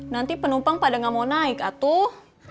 nanti penumpang pada nggak mau naik atuh